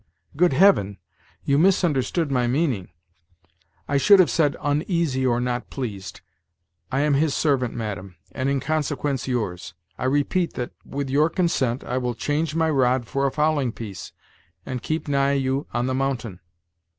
"Good Heaven! you misunderstood my meaning; I should have said uneasy or not pleased. I am his servant, madam, and in consequence yours. I repeat that, with your consent, I will change my rod for a fowling piece, and keep nigh you on the mountain."